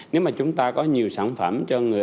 nếu mà chúng ta có nhiều sản phẩm cho người